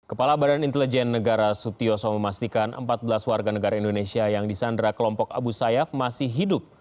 kepala badan intelijen negara sutioso memastikan empat belas warga negara indonesia yang disandra kelompok abu sayyaf masih hidup